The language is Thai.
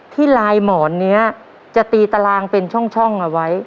ที่ลายหมอนเนี้ยจะตีตารางเป็นช่องช่องเอาไว้